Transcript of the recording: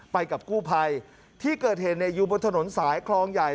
ไปกับกู้ภัยที่เกิดเหตุอยู่บนถนนสายคลองใหญ่